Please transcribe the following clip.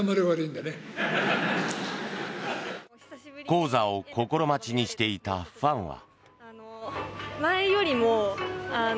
高座を心待ちにしていたファンは。